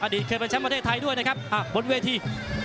เคยเป็นแชมป์ประเทศไทยด้วยนะครับบนเวที